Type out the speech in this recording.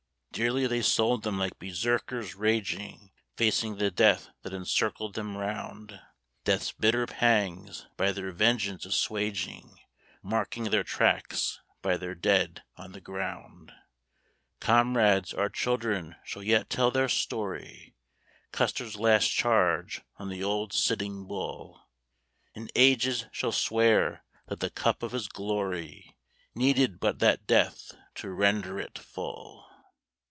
Dearly they sold them like Berserkers raging, Facing the death that encircled them round; Death's bitter pangs by their vengeance assuaging, Marking their tracks by their dead on the ground. Comrades, our children shall yet tell their story, Custer's last charge on the old Sitting Bull; And ages shall swear that the cup of his glory Needed but that death to render it full.